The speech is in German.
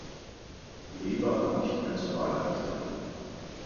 Weber war nicht mehr zur Wahl angetreten.